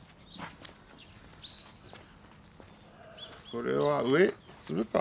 これは上にするか。